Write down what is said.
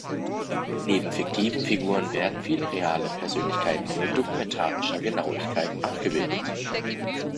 Neben fiktiven Figuren werden viele reale Persönlichkeiten mit dokumentarischer Genauigkeit abgebildet.